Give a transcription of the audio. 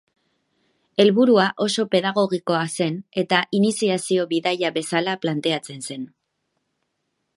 Helburua oso pedagogikoa zen eta iniziazio-bidaia bezala planteatzen zen.